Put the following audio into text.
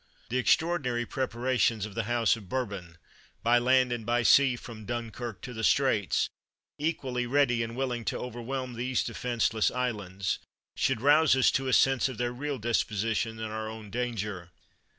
The extraordinary preparations of the House of Bourbon, by land and by sea, from Dunkirk to the Straits, equally ready and willing to over 221 THE WORLD'S FAMOUS ORATIONS whelm these defenseless islands, should ronse us to a sense of their real disposition and our own danger.